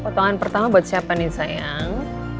potongan pertama buat siapa nih sayang